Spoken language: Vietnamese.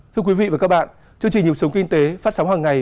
thưa quý vị và các bạn chương trình những sống kinh tế phát sóng hằng ngày